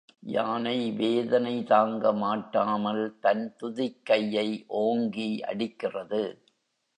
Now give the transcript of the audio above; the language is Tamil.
யானை வேதனை தாங்கமாட்டாமல் தன் துதிக்கையை ஓங்கி அடிக்கிறது.